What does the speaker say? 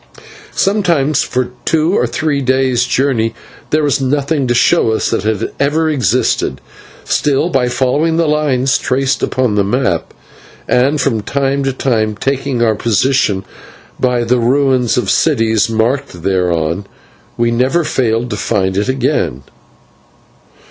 Sometimes for two or three days' journey there was nothing to show us that it had ever existed, still, by following the line traced upon the map, and from time to time taking our position by the ruins of cities marked thereon, we never failed to find it again.